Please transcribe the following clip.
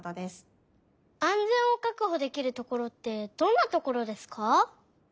あんぜんをかくほできるところってどんなところですか？